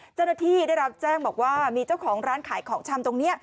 เจ้าหน้าที่ได้รับแจ้งบอกว่ามีเจ้าของร้านขายของชำตรงนี้